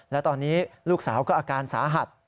และตอนนี้ลูกสาวก็อาการสาหัส